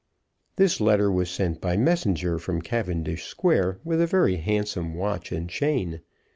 This letter was sent by messenger from Cavendish Square, with a very handsome watch and chain.